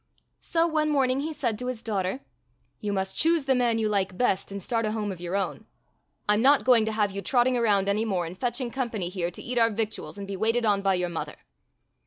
So one morning he said to his daughter: ''You must choose the man you like best and start a home of your own. I 'm not going to have you trotting around any more and fetching company here to eat our victuals and be waited on by your mother.